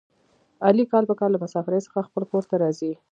علي کال په کال له مسافرۍ څخه خپل کورته راځي.